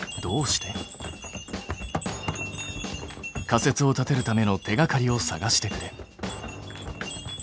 仮説を立てるための手がかりを探してくれ。